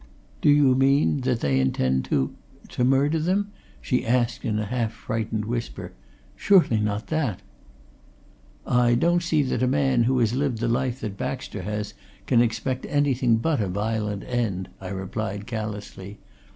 "Do you mean that they intend to to murder them?" she asked in a half frightened whisper. "Surely not that?" "I don't see that a man who has lived the life that Baxter has can expect anything but a violent end," I replied callously.